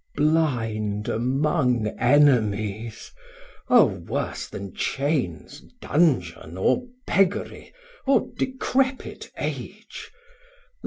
Blind among enemies, O worse then chains, Dungeon, or beggery, or decrepit age!